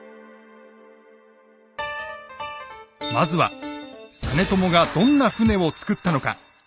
まずは実朝がどんな船を造ったのか。